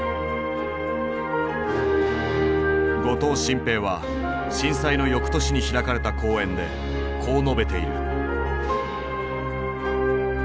後藤新平は震災の翌年に開かれた講演でこう述べている。